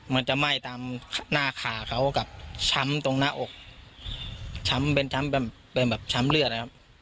มันจะไหม้ตามหน้าขาเขากับช้ำตรงหน้าอกช้ำเป็นช้ำเป็นแบบช้ำเลือดนะครับ